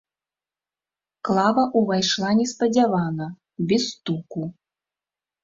Клава ўвайшла неспадзявана, без стуку.